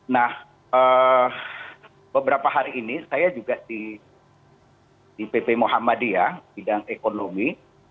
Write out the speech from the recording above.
nah beberapa hari ini saya juga di pp muhammadiyah bidang ekonomi